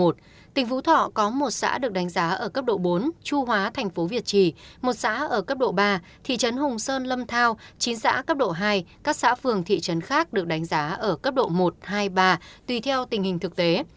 tỉnh phú thọ có một xã được đánh giá ở cấp độ bốn chu hóa thành phố việt trì một xã ở cấp độ ba thị trấn hùng sơn lâm thao chín giã cấp độ hai các xã phường thị trấn khác được đánh giá ở cấp độ một hai ba tùy theo tình hình thực tế